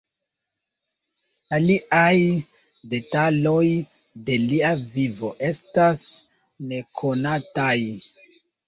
Aliaj detaloj de lia vivo estas nekonataj.